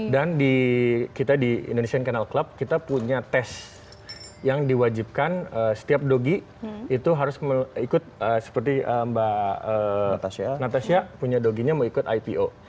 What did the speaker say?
dan di kita di indonesian kennel club kita punya tes yang diwajibkan setiap dogi itu harus ikut seperti mbak natasya punya doginya mau ikut ipo